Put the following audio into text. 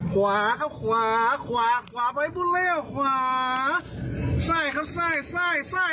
ควาครับควาควาออกไปถ่ายไป